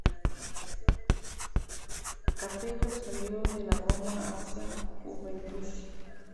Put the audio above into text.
Capello salió de la Roma hacia la Juventus.